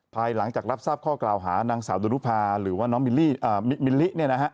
ภายหลังจากรับทราบข้อกล่าวหานางสาวดุรุภาหรือว่าน้องมิลลิเนี่ยนะฮะ